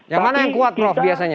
yang mana yang kuat prof biasanya